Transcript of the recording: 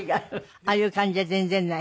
ああいう感じじゃ全然ない？